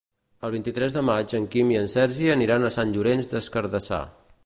El vint-i-tres de maig en Quim i en Sergi aniran a Sant Llorenç des Cardassar.